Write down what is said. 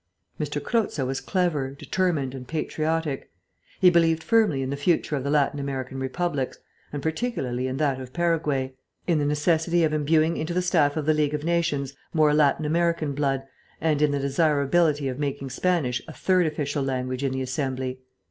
M. Croza was clever, determined, and patriotic; he believed firmly in the future of the Latin American republics, and particularly in that of Paraguay; in the necessity of imbuing into the staff of the League of Nations more Latin American blood, and in the desirability of making Spanish a third official language in the Assembly.